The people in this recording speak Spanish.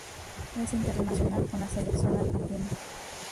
Es internacional con la Selección Argentina.